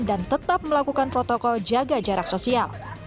dan tetap melakukan protokol jaga jarak sosial